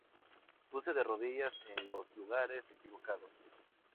Puse de rodillas en los lugares equivocados.